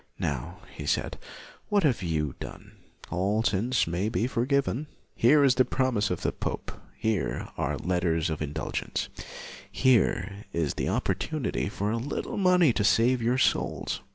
Now, he said, what have you done? All sins may be forgiven. Here is the promise of the pope, here are letters of indulgence, here is the opportunity for a little money to save your souls.